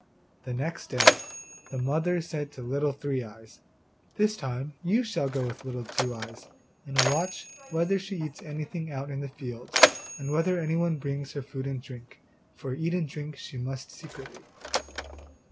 The next day the mother said to Little Three eyes, 'This time you shall go with Little Two eyes and watch whether she eats anything out in the fields, and whether anyone brings her food and drink, for eat and drink she must secretly.